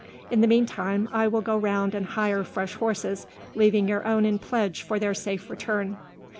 In the meantime, I will go round and hire fresh horses, leaving your own in pledge for their safe return.